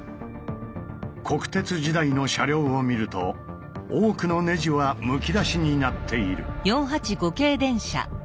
国鉄時代の車両を見ると多くのネジはむき出しになっている。